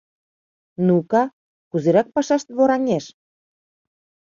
Ну-ка, кузерак пашашт вораҥеш?